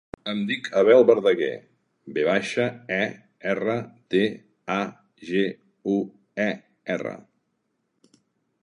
Em dic Abel Verdaguer: ve baixa, e, erra, de, a, ge, u, e, erra.